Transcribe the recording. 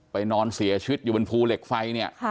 นอนเสียชีวิตอยู่บนภูเหล็กไฟเนี่ย